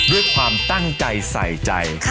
ด้วยความตั้งใจใส่ใจ